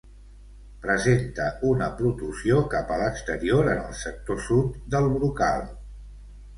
Presenta una protrusió cap a l'exterior en el sector sud del brocal.